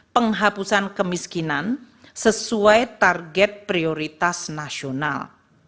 penghapusan kemiskinan sesuai target prioritas nasional